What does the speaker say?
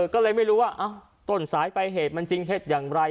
ก็เลยไม่รู้ว่าต้นสายไปเหตุมันจริงเท็จอย่างไร